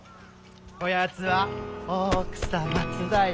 こやつは大草松平。